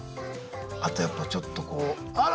あとやっぱちょっとこうあら！